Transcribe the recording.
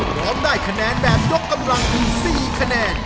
พร้อมได้แศนแบบยกกำลังที่๔ขนาด